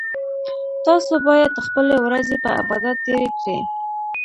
تاسو باید خپلې ورځې په عبادت تیرې کړئ